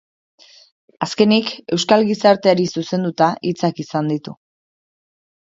Azkenik, euskal gizarteari zuzenduta hitzak izan ditu.